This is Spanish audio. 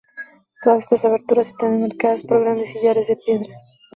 Todas estas aberturas están enmarcadas por grandes sillares de piedra.